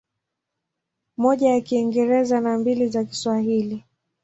Moja ya Kiingereza na mbili za Kiswahili.